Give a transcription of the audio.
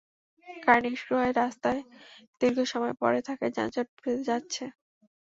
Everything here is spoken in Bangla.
গাড়ি নিষ্ক্রিয় হয়ে রাস্তায় দীর্ঘ সময় পড়ে থাকায় যানজট বেধে যাচ্ছে।